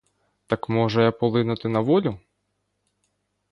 Так можу я полинути на волю?